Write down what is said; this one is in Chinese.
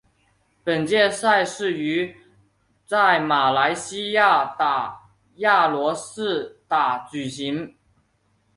本届赛事于在马来西亚吉打亚罗士打举行。